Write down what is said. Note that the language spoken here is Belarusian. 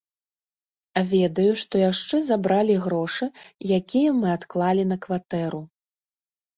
Ведаю, што яшчэ забралі грошы, якія мы адклалі на кватэру.